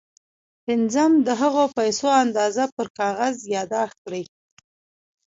پنځم د هغو پيسو اندازه پر کاغذ ياداښت کړئ.